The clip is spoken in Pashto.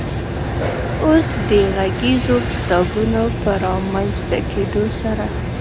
اوس د غږیزو کتابونو په رامنځ ته کېدو سره